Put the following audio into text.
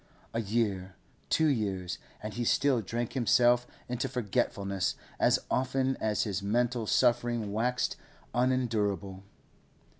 A year, two years, and he still drank himself into forgetfulness as often as his mental suffering waxed unendurable.